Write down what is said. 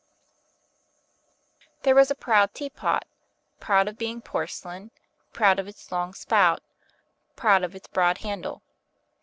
There was a proud Teapot, proud of being porcelain, proud of its long spout, proud of its broad handle.